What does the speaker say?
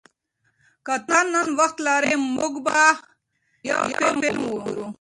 که ته نن وخت لرې، موږ به یو فلم وګورو.